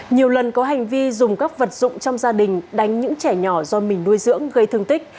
nhiều lần có hành vi dùng các vật dụng trong gia đình đánh những trẻ nhỏ do mình nuôi dưỡng gây thương tích